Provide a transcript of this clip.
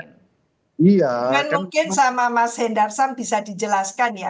kan mungkin sama mas hendarsam bisa dijelaskan ya